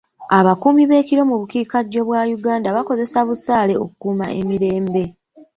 Ab'akuumi b'ekiro mu bukiika ddyo bwa Uganda bakozesa busaale okukuuma emirembe.